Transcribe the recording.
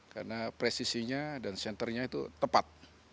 karena presisinya dan centernya itu tepat